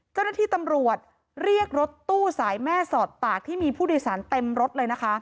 เจ้าหน้าที่ตำรวจเรียกรถตู้สายแม่สอดปากที่มีผู้โดยสารเต็มรถเลยนะคะ